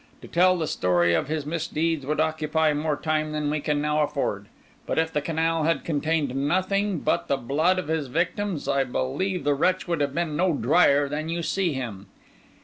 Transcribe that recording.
To tell the story of his misdeeds would occupy more time than we can now afford; but if the canal had contained nothing but the blood of his victims, I believe the wretch would have been no drier than you see him.